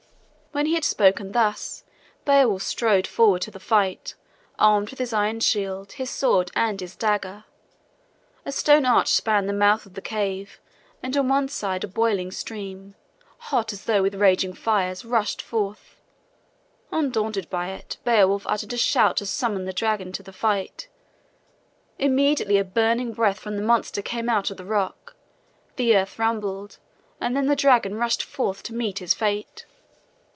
When he had spoken thus Beowulf strode forward to the fight, armed with his iron shield, his sword and his dagger. A stone arch spanned the mouth of the cave, and on one side a boiling stream, hot as though with raging fires, rushed forth. Undaunted by it, Beowulf uttered a shout to summon the dragon to the fight. Immediately a burning breath from the monster came out of the rock, the earth rumbled and then the dragon rushed forth to meet his fate.